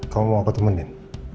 kamu mau aku nemenin